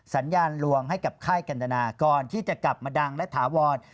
สัญญาณลวงให้กับค่ายกันตนาก่อนที่จะกลับมาดังและถาวร